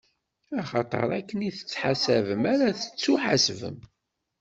Axaṭer akken i tettḥasabem ara tettuḥasbem.